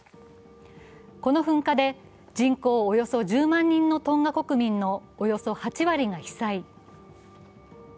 この噴火で、人口およそ１０万人のトンガ国民のおよそ８割が被災。